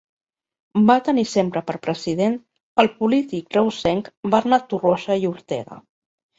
Va tenir sempre per president el polític reusenc Bernat Torroja i Ortega.